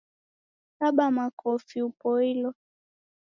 Kaba makofi upoilo